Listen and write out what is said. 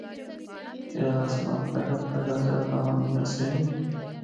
اے رسماں پہلا پہلا زیادہ ہوندیاں سی۔